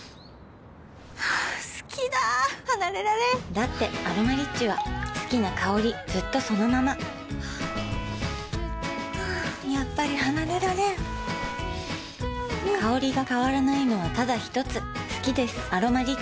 好きだ離れられんだって「アロマリッチ」は好きな香りずっとそのままやっぱり離れられん香りが変わらないのはただひとつ好きです「アロマリッチ」